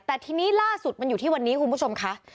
แต่ทีนี้ล่าสุดมันอยู่ที่วันนี้คุณผู้ชมค่ะ